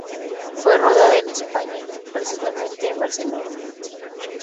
Fue rodada en España, principalmente en Barcelona.